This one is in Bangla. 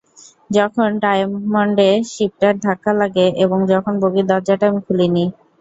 যখন ডায়ামন্ডে শিপটার ধাক্কা লাগে, এবং যখন বগির দরজাটা আমি খুলিনি!